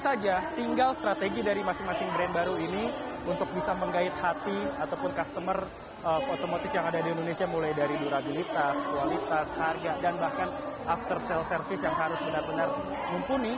tentu saja tinggal strategi dari masing masing brand baru ini untuk bisa menggait hati ataupun customer otomotif yang ada di indonesia mulai dari durabilitas kualitas harga dan bahkan after sale service yang harus benar benar mumpuni